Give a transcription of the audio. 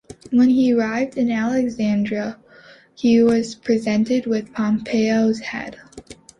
When he arrived in Alexandria, he was presented with Pompey's head.